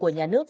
của nhà nước